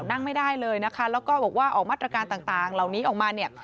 นั่งไม่ได้เลยนะคะแล้วก็บอกว่าออกมาตรการต่างเหล่านี้ออกมาเนี่ย